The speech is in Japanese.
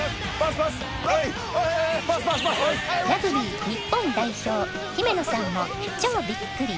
ラグビー日本代表姫野さんも超ビックリ